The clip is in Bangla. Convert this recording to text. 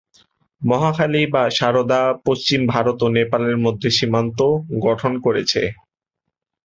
মহাকালী বা সারদা পশ্চিম ভারত ও নেপালের মধ্যে সীমান্ত গঠন করেছে।